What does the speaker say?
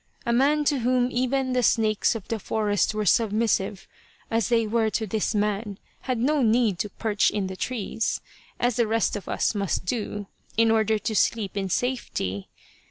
A man to whom even the snakes of the forest were submissive, as they were to this man, had no need to perch in trees, as the rest of us must do, in order to sleep in safety.